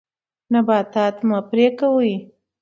نباتات مه پرې کوئ.